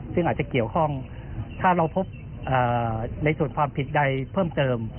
ซึ่งอาจจะเกี่ยวข้องถ้าเราพบในส่วนความผิดใดเพิ่มเติม